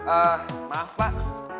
eh maaf pak